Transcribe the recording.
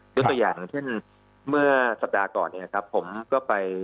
ตัวอย่างอย่างเช่นเมื่อสัปดาห์ก่อนเนี่ยครับผมก็ไป